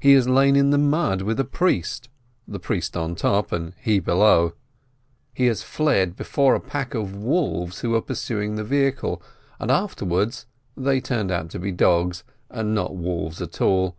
He has lain in the mud with a priest, the priest on top, and he below. He has fled FISHEL THE TEACHER 129 before a pack of wolves who were pursuing the vehicle, and afterwards they turned out to be dogs, and not wolves at all.